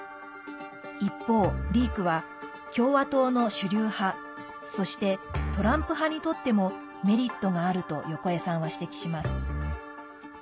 一方、リークは共和党の主流派そして、トランプ派にとってもメリットがあると横江さんは指摘します。